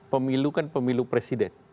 pemilukan pemilu presiden